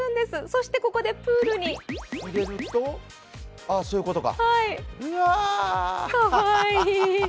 そして、ここでプールにかわいい。